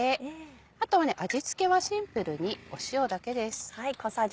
あとは味付けはシンプルに塩だけです。